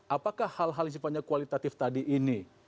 apakah hal hal yang sifatnya kualitatif tadi ini